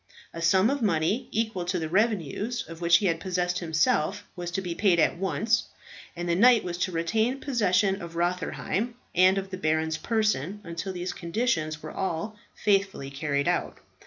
A sum of money, equal to the revenues of which he had possessed himself, was to be paid at once, and the knight was to retain possession of Rotherheim and of the baron's person until these conditions were all faithfully carried out.